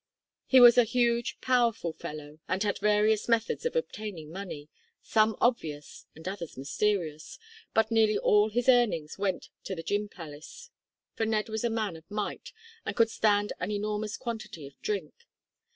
He was a huge, powerful fellow, and had various methods of obtaining money some obvious and others mysterious but nearly all his earnings went to the gin palace, for Ned was a man of might, and could stand an enormous quantity of drink.